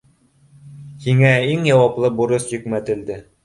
Һиңә иң яуаплы бурыс йөкмәтелде.